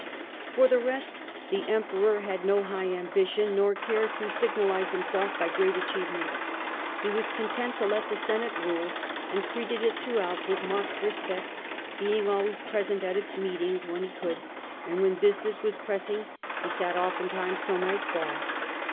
For the rest the Emperor bad no high ambition, nor cared to signalise himself by great achievements. He was content to let the Senate rule, and treated it throughout with marked respect, being always unremit present at its meetings when he could, and Lifa?pu' 5 ic when business was pressing he sat oftentimes ^"^mess ; till nightfall.